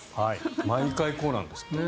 毎回こうなんですって。